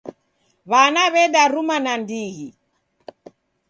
W'ana w'edaruma nandighi.